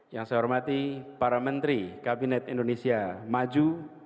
yang saya hormati para menteri kabinet indonesia maju